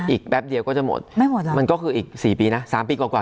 อีกแป๊บเดียวก็จะหมดไม่หมดหรอมันก็คืออีกสี่ปีน่ะสามปีกว่ากว่า